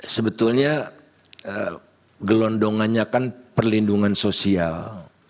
sebetulnya gelondongannya kan perlindungan sosial